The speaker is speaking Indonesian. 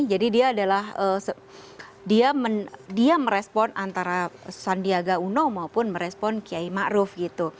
jadi dia adalah dia merespon antara sandiaga uno maupun merespon kiai ma'ruf gitu